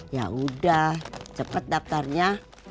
yaudah cepet daftarnya